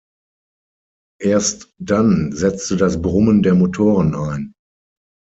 Erst dann setzte das Brummen der Motoren ein.